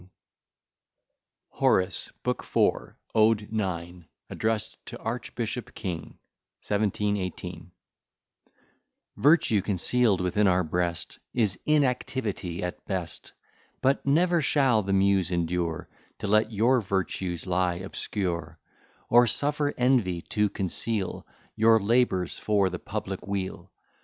Swift.] HORACE, BOOK IV, ODE IX ADDRESSED TO ARCHBISHOP KING, 1718 Virtue conceal'd within our breast Is inactivity at best: But never shall the Muse endure To let your virtues lie obscure; Or suffer Envy to conceal Your labours for the public weal.